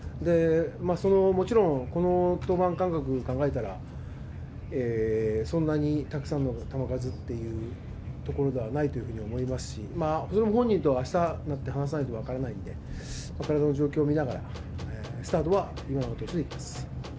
もちろん、この登板間隔考えたら、そんなにたくさんの球数っていうところではないと思いますし、本人とあしたになって話さないと分からないんで、体の状況見ながら、スタートは今永投手に託す。